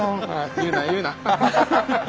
言うな言うな。